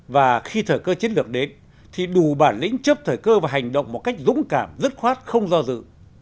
và khi thời cơ chiến lược đến thì đủ bản lĩnh chấp thời cơ và hành động một cách dũng cảm dứt khoát không do dự